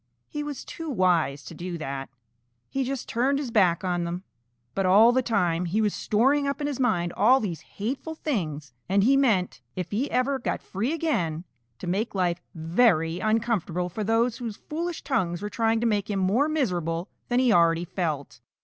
He was too wise to do that. He just turned his back on them. But all the time he was storing up in his mind all these hateful things, and he meant, if ever he got free again, to make life very uncomfortable for those whose foolish tongues were trying to make him more miserable than he already felt.